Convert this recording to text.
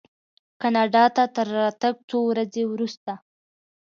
کاناډا ته تر راتګ څو ورځې وروسته.